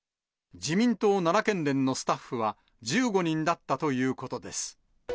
自民党奈良県連のスタッフは、１５人だったということです。